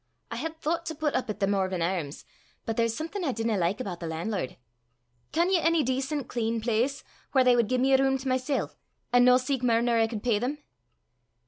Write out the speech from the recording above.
"I had thoucht to put up at the Morven Airms, but there's something I dinna like aboot the lan'lord. Ken ye ony dacent, clean place, whaur they wad gie me a room to mysel', an' no seek mair nor I could pey them?"